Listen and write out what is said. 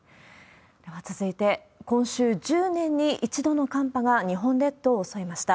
では続いて、今週、１０年に１度の寒波が日本列島を襲いました。